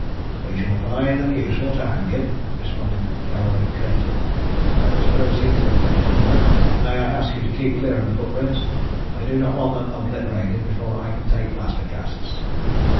"We shall find them useful to hang him," responded Galloway curtly. "Let us proceed to the pit, gentlemen. May I ask you to keep clear of the footprints? I do not want them obliterated before I can take plaster casts."